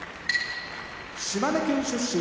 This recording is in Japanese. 島根県出身